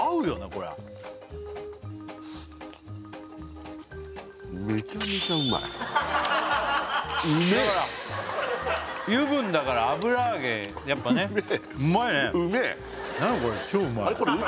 これは油分だから油揚げやっぱねうまいね